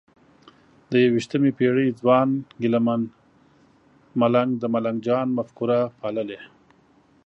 د یویشتمې پېړۍ ځوان ګیله من ملنګ د ملنګ جان مفکوره پاللې؟